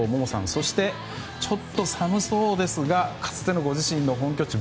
そして、ちょっと寒そうですがかつてのご自身の本拠地